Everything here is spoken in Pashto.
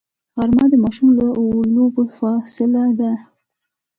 غرمه د ماشوم له لوبو فاصله ده